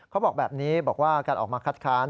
เขาบอกแบบนี้บอกว่าการออกมาคัดค้าน